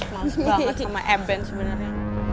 males banget sama eben sebenernya